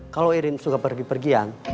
kalau irin suka pergi pergian